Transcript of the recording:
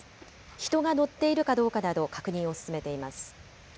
人が乗っているかどうかなど確認を進めています。